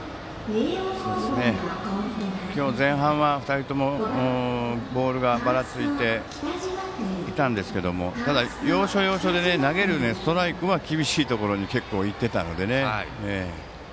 今日前半は２人ともボールがばらついてただ、要所要所で投げるストライクは厳しいところに結構、行っていたのでね。